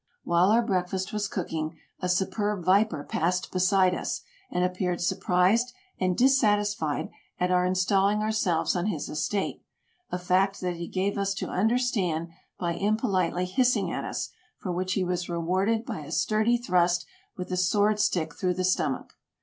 While our breakfast was cooking, a superb viper passed beside us, and appeared surprised and dissatisfied at our installing ourselves on his estate, a fact that he gave us to understand by impolitely hissing at us, for which he was rewarded by a sturdy thrust with a sword stick through the stomach.